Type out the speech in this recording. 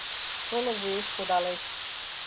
Шоло вуеш кодалеш